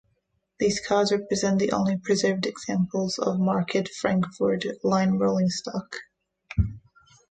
These cars represent the only preserved examples of Market-Frankford line rolling stock.